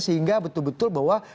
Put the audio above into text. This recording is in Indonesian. sehingga betul betul bahwa